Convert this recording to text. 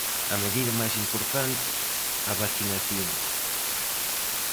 A medida máis importante, a vacinación.